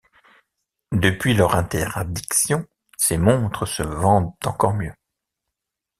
Depuis leur interdiction ses montres se vendent encore mieux.